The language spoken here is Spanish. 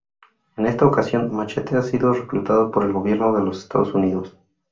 En esta ocasión Machete ha sido reclutado por el gobierno de los Estados Unidos.